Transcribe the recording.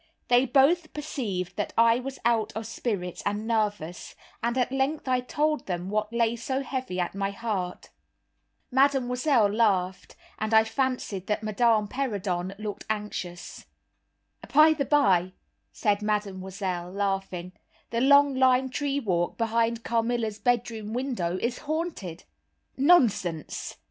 They both perceived that I was out of spirits and nervous, and at length I told them what lay so heavy at my heart. Mademoiselle laughed, but I fancied that Madame Perrodon looked anxious. "By the by," said Mademoiselle, laughing, "the long lime tree walk, behind Carmilla's bedroom window, is haunted!" "Nonsense!"